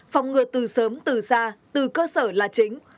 phòng ngừa từ sớm từ xa từ cơ sở là chính